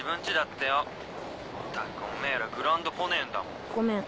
ったくおめぇらグラウンド来ねえんだもん。